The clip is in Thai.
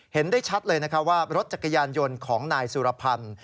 เห็นได้ชัดเลยนะคะว่ารถจักรยานยนต์ของนายสุรพันธ์